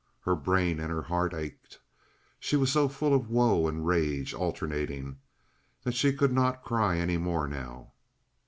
Her brain and her heart ached. She was so full of woe and rage, alternating, that she could not cry any more now.